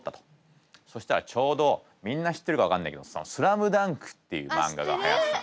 そしたらちょうどみんな知ってるか分かんないけど「ＳＬＡＭＤＵＮＫ」っていう漫画がはやってたの。